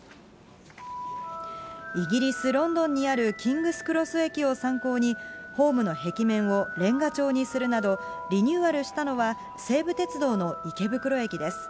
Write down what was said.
イギリス・ロンドンにあるキングスクロス駅を参考に、ホームの壁面をレンガ調にするなど、リニューアルしたのは、西武鉄道の池袋駅です。